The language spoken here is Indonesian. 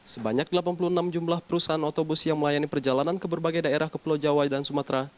sebanyak delapan puluh enam jumlah perusahaan otobus yang melayani perjalanan ke berbagai daerah ke pulau jawa dan sumatera